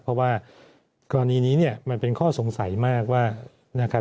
เพราะว่ากรณีนี้มันเป็นข้อสงสัยมากว่า